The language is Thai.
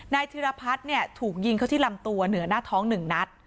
นธริพัจร์ถูกยิงเข้าที่ลำตัวเหนือหน้าท้อง๑นัท